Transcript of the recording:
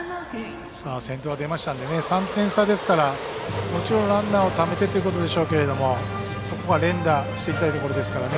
先頭、出ましたので３点差ですからランナーをためてというところでしょうけどもここは連打していきたいところですからね。